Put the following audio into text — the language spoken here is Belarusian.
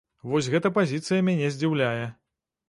Вось гэтая пазіцыя мяне здзіўляе.